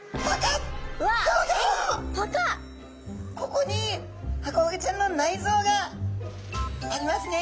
ここにハコフグちゃんの内臓がありますね。